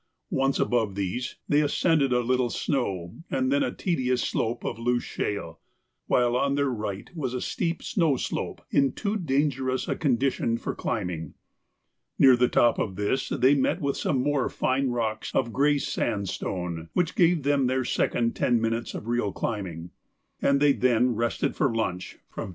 Once above these, they ascended a little snow and then a tedious slope of loose shale, while on their right was a steep snow slope, in too dangerous a condition for climbing. Near the top of this they met with some more fine rocks of grey sandstone which gave them their second ten minutes of real climbing, and they then rested for lunch from 10.